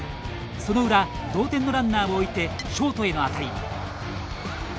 その裏同点のランナーを置いてショートへの当たり。